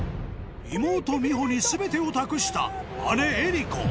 妹美穂に全てを託した姉江里子